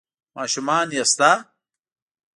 ـ ماشومان يې شته؟